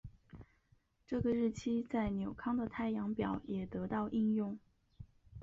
这个日期在纽康的太阳表也得到应用。